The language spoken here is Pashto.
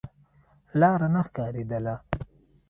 لاره نه ښکارېدله.